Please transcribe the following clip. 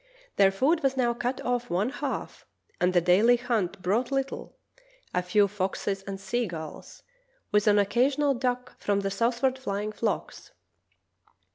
Their food was now cut off one half, and the daily hunt brought little — a few foxes and sea gulls, with an oc casional duck from the southward flying flocks.